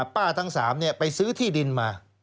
ทั้ง๓ไปซื้อที่ดินมา